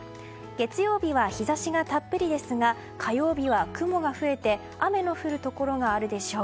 月曜日は日差しがたっぷりですが火曜日は、雲が増えて雨の降るところがあるでしょう。